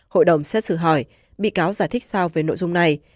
hội đồng xét xử hỏi bị cáo giải thích sao về nội dung này